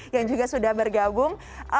yang juga sudah bergabung